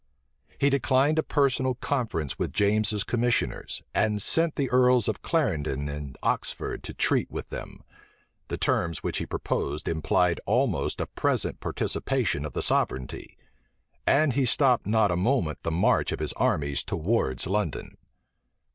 He declined a personal conference with James's commissioners, and sent the earls of Clarendon and Oxford to treat with them: the terms which he proposed implied almost a present participation of the sovereignty: and he stopped not a moment the march of his army towards London.